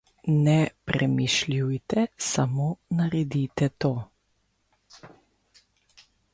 Ne premišljujte, samo naredite to.